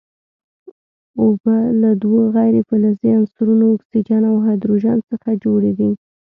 اوبه له دوو غیر فلزي عنصرونو اکسیجن او هایدروجن څخه جوړې دي.